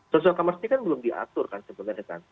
social commerce kan belum diatur kan sebenarnya kan